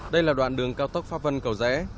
đây là đoạn đường cao tốc pháp vân cầu rẽ